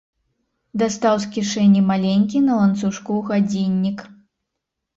Дастаў з кішэні маленькі, на ланцужку, гадзіннік.